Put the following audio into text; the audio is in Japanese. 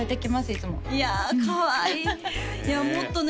いつもいやかわいいいやもっとね